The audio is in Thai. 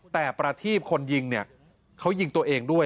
แต่ประทีบคนยิงเนี่ยเขายิงตัวเองด้วย